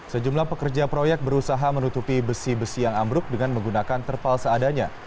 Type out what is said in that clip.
sejumlah pekerja proyek berusaha menutupi besi besi yang ambruk dengan menggunakan terpal seadanya